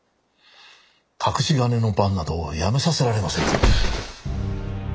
隠し金の番などやめさせられませい。